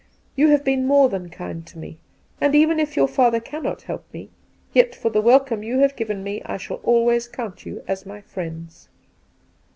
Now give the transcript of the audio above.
You have been more than kind to me, and even if your father cannot help me, yet for the welcome you have given me I shall always count you as my fi iends.'